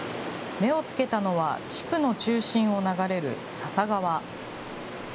目をつけたのは、地区の中心を流れる笹川。